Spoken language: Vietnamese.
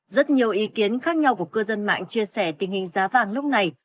rất nhiều ý kiến khác nhau của cư dân mạng chia sẻ tình hình giá vàng lúc này